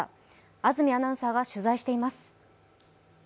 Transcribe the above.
安住アナウンサーが取材しています。